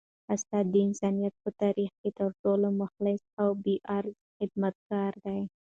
استاد د انسانیت په تاریخ کي تر ټولو مخلص او بې غرضه خدمتګار دی.